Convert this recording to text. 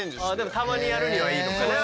たまにやるにはいいのかな。